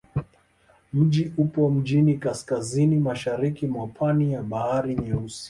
Mji upo mjini kaskazini-mashariki mwa pwani ya Bahari Nyeusi.